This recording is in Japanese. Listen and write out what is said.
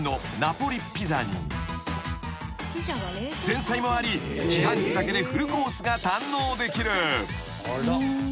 ［前菜もあり自販機だけでフルコースが堪能できる］